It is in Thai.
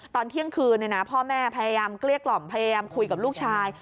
ตอนเที่ยงคืนพ่อแม่พยายามเกลี้ยกล่อมพยายามคุยกับลูกชาย